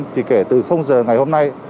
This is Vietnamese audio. thì kể từ giờ ngày hôm nay